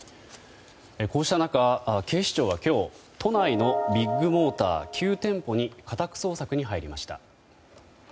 こうした中、警視庁は今日都内のビッグモーター９店舗に家宅捜索に入りました。